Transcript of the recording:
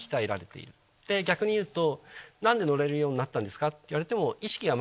逆にいうと何で乗れるようになったんですかって言われても。